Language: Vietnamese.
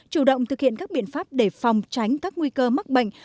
chủ động thực hiện các biện pháp để phòng tránh các nguy cơ mắc bệnh